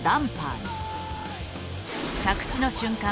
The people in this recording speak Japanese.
着地の瞬間